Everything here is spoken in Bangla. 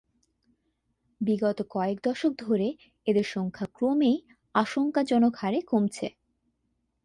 বিগত কয়েক দশক ধরে এদের সংখ্যা ক্রমেই আশঙ্কাজনক হারে কমছে।